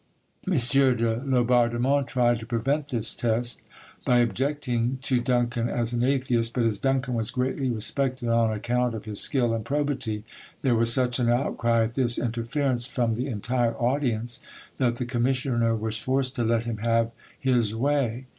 M. de Laubardemont tried to prevent this test, by objecting to Duncan as an atheist, but as Duncan was greatly respected on account of his skill and probity, there was such an outcry at this interference from the entire audience that the commissioner was forced to let him have his way.